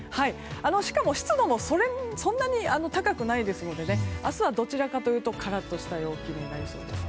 しかも、湿度もそんなに高くないですので明日はどちらかというとカラッとした陽気になりそうです。